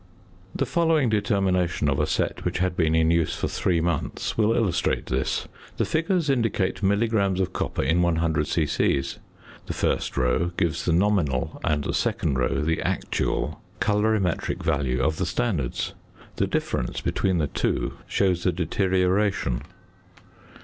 The following determinations of a set which had been in use for three months will illustrate this. The figures indicate milligrams of copper in 100 c.c.: the first row gives the nominal and the second row the actual colorimetric value of the standards. The difference between the two shows the deterioration.